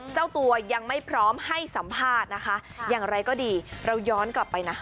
เจ้าตัวยังไม่พร้อมให้สัมภาษณ์นะคะอย่างไรก็ดีเราย้อนกลับไปนะ